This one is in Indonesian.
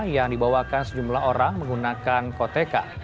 yang dibawakan sejumlah orang menggunakan koteka